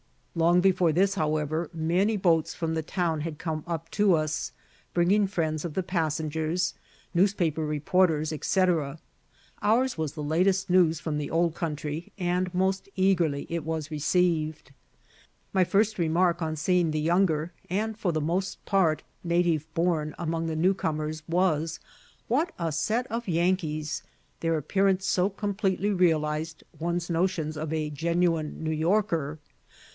Long before this, however, many boats from the town had come up to us, bringing friends of the passengers, newspaper reporters, &c. Ours was the latest news from the Old Country, and most eagerly it was received. My first remark on seeing the younger, and for the most part native born among the new comers, was, "What a set of Yankees!" their appearance so completely realised one's notions of a genuine New Yorker.